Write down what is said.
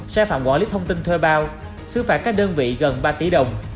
xe phạm quả lít thông tin thuê bao xứ phạm các đơn vị gần ba tỷ đồng